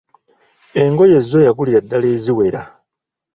Engoye zzo yagulira ddala eziwera.